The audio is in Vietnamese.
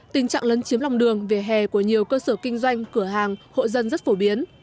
tình trạng lấn chiếm lòng đường vỉa hè của nhiều cơ sở kinh doanh cửa hàng hộ dân rất phổ biến